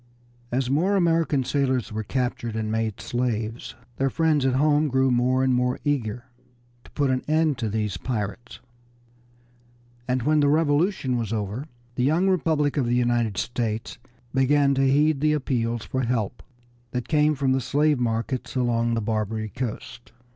As more American sailors were captured and made slaves their friends at home grew more and more eager to put an end to these pirates, and when the Revolution was over the young Republic of the United States began to heed the appeals for help that came from the slave markets along the Barbary coast.